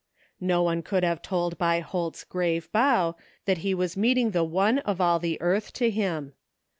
No one could have told by Holt's grave bow that he was meeting the one of all the earth to him.